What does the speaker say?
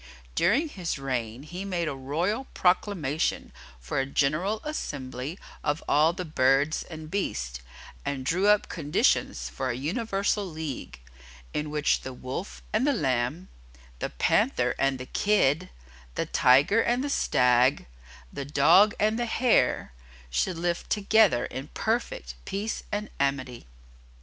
During his reign he made a royal proclamation for a general assembly of all the birds and beasts, and drew up conditions for a universal league, in which the Wolf and the Lamb, the Panther and the Kid, the Tiger and the Stag, the Dog and the Hare, should live together in perfect peace and amity.